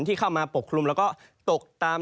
ที่เข้ามาปกคลุมแล้วก็ตกตาม